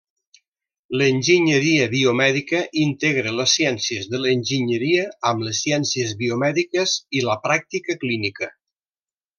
L'Enginyeria biomèdica integra les ciències de l'enginyeria amb les ciències biomèdiques i la pràctica clínica.